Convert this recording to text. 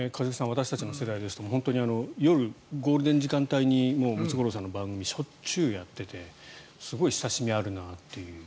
私たちの世代ですと夜、ゴールデン時間帯にムツゴロウさんの番組しょっちゅうやっていてすごい親しみあるなという。